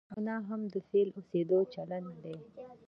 او نه هم د فعال اوسېدو چلند دی.